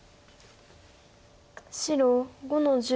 白５の十。